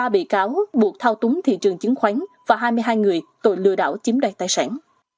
ba bị cáo buộc thao túng thị trường chứng khoán và hai mươi hai người tội lừa đảo chiếm đoạt tài sản